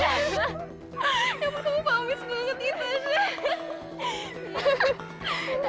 ya ampun kamu pangis banget nih tasya